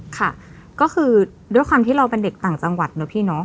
ค่ะก็คือด้วยความที่เราเป็นเด็กต่างจังหวัดเนอะพี่เนาะ